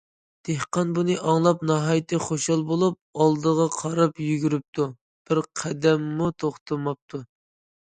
دېھقان بۇنى ئاڭلاپ ناھايىتى خۇشال بولۇپ ئالدىغا قاراپ يۈگۈرۈپتۇ، بىر قەدەممۇ توختىماپتۇ.